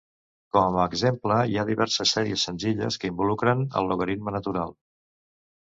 Com a exemple, hi ha diverses sèries senzilles que involucren el logaritme natural.